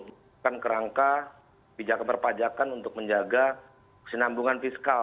bukan kerangka bijakan berpajakan untuk menjaga kesenambungan fiskal